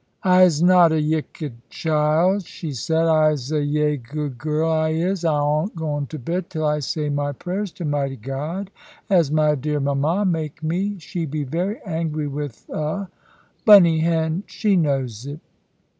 "I'se not a yicked shild," she said, "I'se a yae good gal, I is; I 'ont go to bed till I say my payers to 'Mighty God, as my dear mama make me. She be very angy with 'a, Bunny, 'hen she knows it."